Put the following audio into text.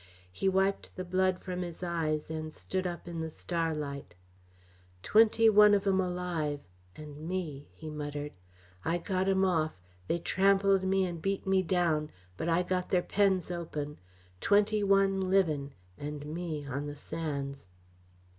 He wiped the blood from his eyes and stood up in the starlight. "Twenty one of 'em alive and me," he muttered. "I got 'em off they trampled me and beat me down, but I got their pens open. Twenty one livin' and me on the sands!"